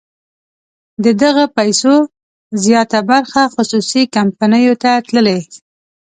د دغه پیسو زیاته برخه خصوصي کمپنیو ته تللې.